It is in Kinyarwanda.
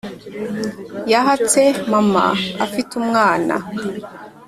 Yashatse Mama afite umwana